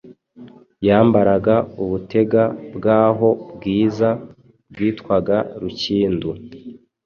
Yambaraga Ubutega bwaho bwiza bwitwaga Rukindu